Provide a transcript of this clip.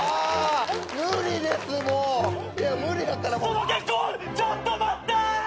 その結婚ちょっと待った！